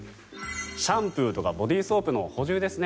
シャンプーとかボディーソープの補充ですね。